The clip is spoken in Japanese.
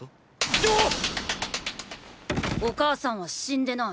どっ⁉お母さんは死んでない。